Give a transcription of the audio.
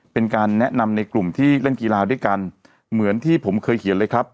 เป็นการแนะนำในกลุ่มที่เล่นกีฬาด้วยกันเหมือนที่ผมเคยเขียนเลยครับ